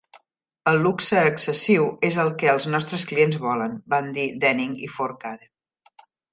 "El luxe excessius és el que els nostres clients volen", van dir Denning i Fourcade.